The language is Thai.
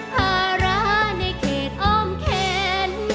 ภาระในเขตอ้อมแขน